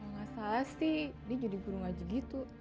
gak salah sih dia jadi burung aja gitu